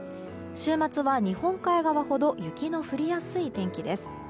週末は日本海側ほど雪の降りやすい天気です。